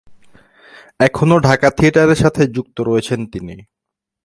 এখনো ঢাকা থিয়েটারের সাথে যুক্ত রয়েছেন তিনি।